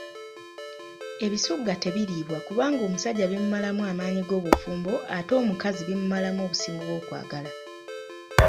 Ebisugga tebiriibwa kubanga omusajja bimumalamu amaanyi g'obufumbo ate omukazi bimumalamu obusimu bw'okwagala.